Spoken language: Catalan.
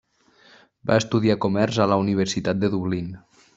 Va estudiar comerç a la Universitat de Dublín.